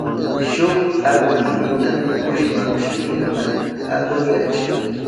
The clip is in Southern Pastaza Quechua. Shuk akru muyuta mikushpan shiminta akruyachin.